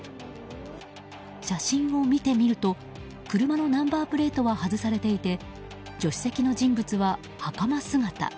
写真を見てみると車のナンバープレートは外されていて助手席の人物は、はかま姿。